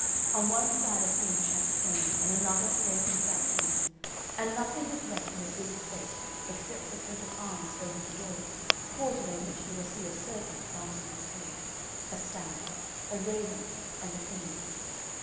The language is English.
On one side are seen shattered columns, on another broken statues; and nothing is left in a good state except a coat of arms over the door, quartered on which you will see a serpent biting its tail, a stag, a raven, and a phoenix.